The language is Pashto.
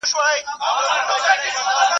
نن یې رنګ د شګوفو بوی د سکروټو !.